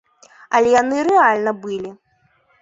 Але яны рэальна былі.